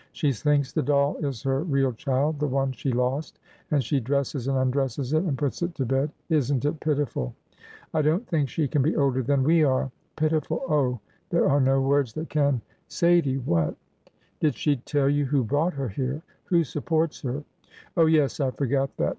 She thinks the doll is her real child,— the one she lost, — and she dresses and undresses it and puts it to | bed. Is nl it pitiful ! I don't think she can be older than j we are." J ''Pitiful! Oh h! there are no words that can —• Sadie !"■ "What?" '" Did she tell you who brought her here— who sup ^ ports her ?"" j " Oh, yes ; I forgot that.